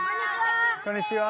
こんにちは。